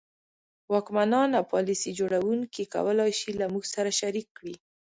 واکمنان او پالیسي جوړوونکي کولای شي له موږ سره شریک کړي.